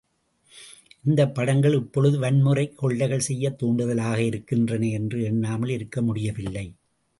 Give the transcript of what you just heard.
இந்தப் படங்கள் இப்பொழுது வன்முறை கொள்ளைகள் செய்யத் தூண்டுதலாக இருக்கின்றன என்று எண்ணாமல் இருக்க முடியவில்லை.